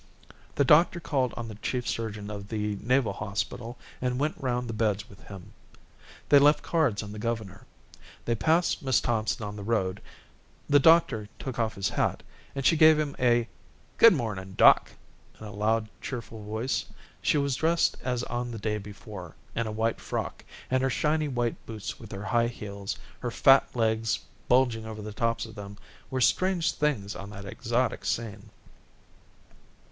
The doctor called on the chief surgeon of the naval hospital and went round the beds with him. They left cards on the governor. They passed Miss Thompson on the road. The doctor took off his hat, and she gave him a "Good morning, doc.," in a loud, cheerful voice. She was dressed as on the day before, in a white frock, and her shiny white boots with their high heels, her fat legs bulging over the tops of them, were strange things on that exotic scene.